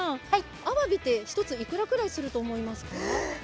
あわびは１ついくらぐらいだと思いますか？